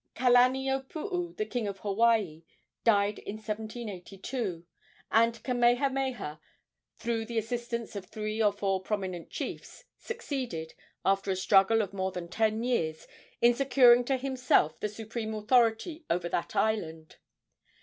Kalaniopuu, the king of Hawaii, died in 1782, and Kamehameha, through the assistance of three or four prominent chiefs, succeeded, after a struggle of more than ten years, in securing to himself the supreme authority over that island.